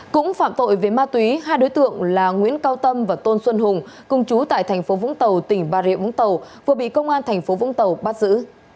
cũng phạm tội về ma túy hai đối tượng là nguyễn cao tâm và tôn xuân hùng cùng chú tại thành phố vũng tàu tỉnh bà rịa vũng tàu vừa bị công an thành phố vũng tàu bắt giữ